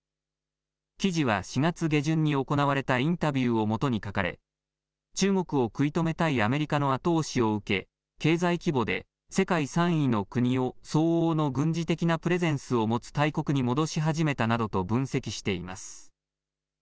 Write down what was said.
記事は４月下旬に行われたインタビューを元に書かれ中国を食い止めたいアメリカの後押しを受け経済規模で世界３位の国を相応の軍事的なプレゼンスを持つ大国に戻し始めたなどと分析しています。